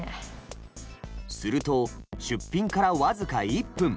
すると出品から僅か１分。